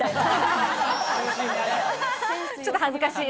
ちょっと恥ずかしい。